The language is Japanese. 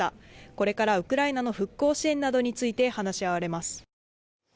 これからウクライナの復興支援などについて話し合われます。